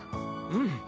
うん。